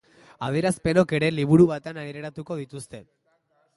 Adierazpenok ere liburu batean aireratuko dituzte.